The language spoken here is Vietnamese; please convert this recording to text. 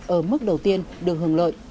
ở mức đầu tiên được hưởng lợi